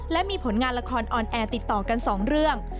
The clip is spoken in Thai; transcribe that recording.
และมีผลงานละครออนแอร์ติดต่อกัน๒เรื่อง